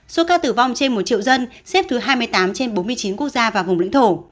số ca tử vong trên một triệu dân xếp thứ hai mươi tám trên bốn mươi chín quốc gia và vùng lãnh thổ